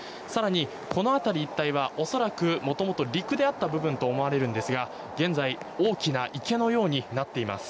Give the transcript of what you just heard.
この辺り一帯は恐らく陸であった部分と思われますが現在、池のようになっています。